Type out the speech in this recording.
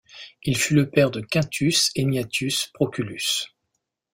Il fut le père de Quintus Egnatius Proculus.